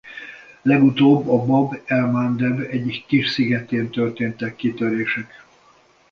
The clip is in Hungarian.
Legutóbb a Bab el-Mandeb egyik kis szigetén történtek kitörések.